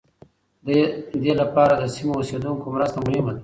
دې لپاره د سیمو اوسېدونکو مرسته مهمه ده.